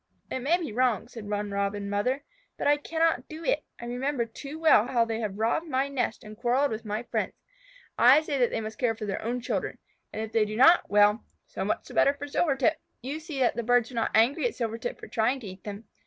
"It may be wrong," said one Robin mother, "but I cannot do it. I remember too well how they have robbed my nests and quarrelled with my friends. I say that they must care for their own children. And if they do not well, so much the better for Silvertip!" You see that the birds were not angry at Silvertip for trying to eat them.